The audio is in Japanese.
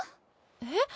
えっ？